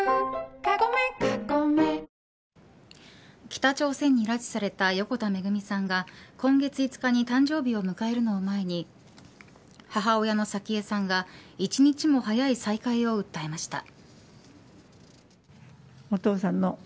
北朝鮮に拉致された横田めぐみさんが今月５日に誕生日を迎えるのを前に母親の早紀江さんが１日も早い再会を訴えました。